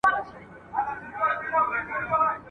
ولي ځیني خلک د زده کړو مخالفت کوي؟